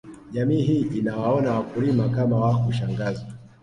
Jamii hii inawaona wakulima kama wa kushangaza